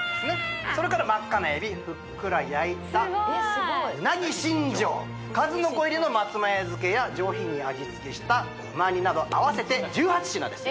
それから真っ赤な海老ふっくら焼いた鰻しんじょう数の子入りの松前漬けや上品に味付けした旨煮など合わせて１８品です